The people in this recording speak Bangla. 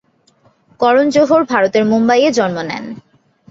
করণ জোহর ভারতের মুম্বইয়ে জন্ম নেন।